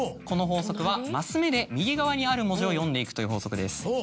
この法則はマス目で右側にある文字を読んでいくという法則です。